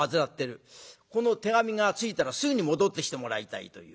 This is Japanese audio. この手紙が着いたらすぐに戻ってきてもらいたいという。